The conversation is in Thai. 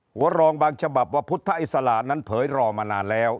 หัวรองบางฉบับว่าพุทธอิสระนั้นเผยรอมานานแล้ว